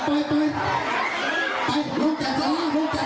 ของเทศมาเนี่ยมันใช่